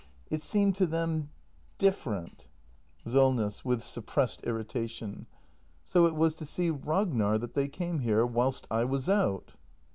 It seemed to them different. SOLNESS. [With suppressed irritation.] So it was to see Ragnar that they came here — whilst I was out!